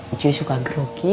ucuy suka geruki